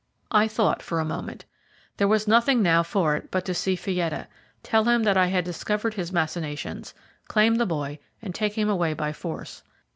I thought for a moment. There was nothing now for it but to see Fietta, tell him that I had discovered his machinations, claim the boy, and take him away by force.